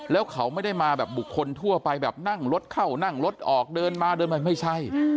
แล้วเขาไม่ได้มาแบบบุคคลทั่วไปแบบนั่งรถเข้านั่งรถออกเดินมาเดินไปไม่ใช่